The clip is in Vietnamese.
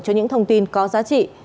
cho những thông tin có giá trị